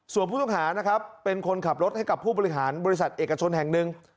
ส่วนผู้ต้องหานะครับเป็นคนขับรถให้กับผู้บริหารบริษัทเอกชนแห่งหนึ่ง